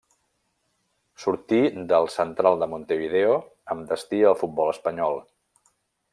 Sortí del Central de Montevideo amb destí al futbol espanyol.